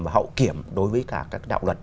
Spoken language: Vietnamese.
và hậu kiểm đối với cả các đạo luật